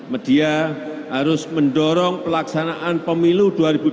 media harus mendorong pelaksanaan pemilu dua ribu dua puluh